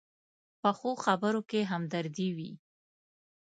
پخو خبرو کې همدردي وي